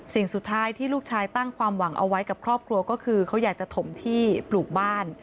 สิ่งสุดท้ายที่ลูกชายตั้งความหวังเอาไว้กับครอบครัวก็คือเขาอยากจะถมที่ปลูกบ้าน